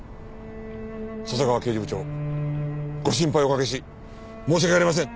笹川刑事部長ご心配をおかけし申し訳ありません！